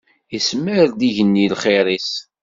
Ismar-d yigenni lxir-is.